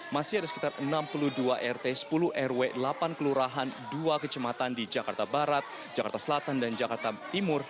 masih ada sekitar enam puluh dua rt sepuluh rw delapan kelurahan dua kecematan di jakarta barat jakarta selatan dan jakarta timur